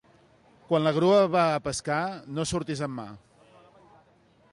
Quan la grua va a pescar, no surtis en mar.